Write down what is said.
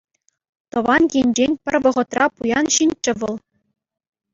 Тӑван енчен пӗр вӑхӑтра пуян ҫынччӗ вӑл.